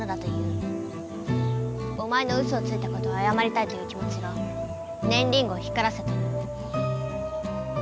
お前のウソをついたことをあやまりたいという気もちがねんリングを光らせた。